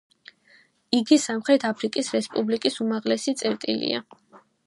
იგი სამხრეთ აფრიკის რესპუბლიკის უმაღლესი წერტილია.